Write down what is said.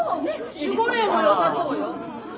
守護霊もよさそうよ。